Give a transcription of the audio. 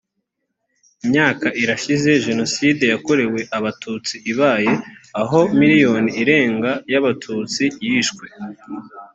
imyaka irashize jenoside yakorewe abatutsi ibaye aho miliyoni irenga y abatutsi yishwe